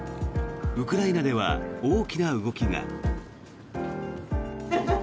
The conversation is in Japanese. ウクライナでは大きな動きが。